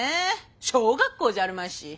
小学校じゃあるまいし。